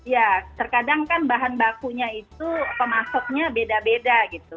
ya terkadang kan bahan bakunya itu pemasoknya beda beda gitu